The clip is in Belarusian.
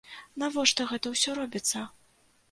Навошта гэта ўсё робіцца?